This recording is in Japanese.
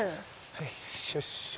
はいしょっしょ